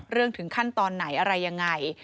ถึงขั้นตอนไหนอะไรยังไง